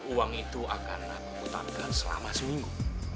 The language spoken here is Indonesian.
uang itu akan aku utangkan selama seminggu